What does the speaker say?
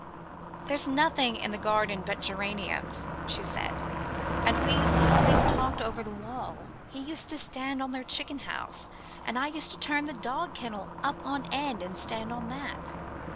"There's nothing in the garden but geraniums," she said, "and we always talked over the wall he used to stand on their chicken house, and I used to turn our dog kennel up on end and stand on that.